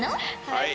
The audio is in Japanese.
はい。